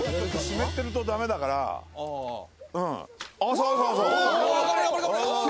そうそうそう。